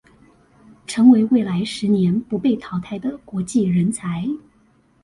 成為未來十年不被淘汰的國際人才